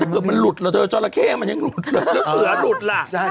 ถ้าเกิดมันหลุดแล้วเธอจะราเค้มันยังหลุดหรือเผื่อหลุดล่ะเค้าเหรอ